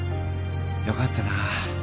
よかったな。